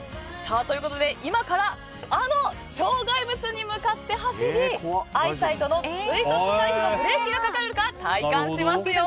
今からあの障害物に向かって走りアイサイトの追突回避のブレーキがかかるか体感しますよ。